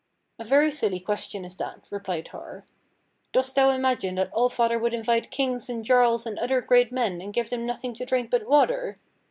"A very silly question is that," replied Har; "dost thou imagine that All Father would invite kings and jarls and other great men and give them nothing to drink but water!